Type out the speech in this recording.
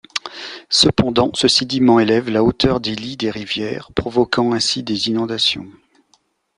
Cependant, ce sédiment élève la hauteur des lits des rivières, provoquant ainsi des inondations.